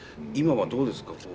今はどうですか？